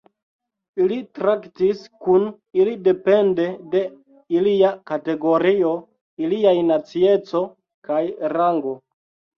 Ili traktis kun ili depende de ilia kategorio, iliaj nacieco kaj rango.